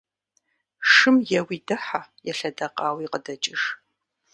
Шым еуи дыхьэ, елъэдэкъауи къыдэкӏыж.